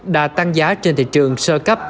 đà tăng giá trên thị trường sơ cấp